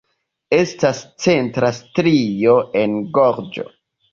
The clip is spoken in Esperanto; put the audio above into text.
Estas centra strio en gorĝo.